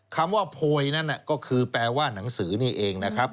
คำว่าโพยนั้นก็คือแปลว่าหนังสือนี่เองนะครับ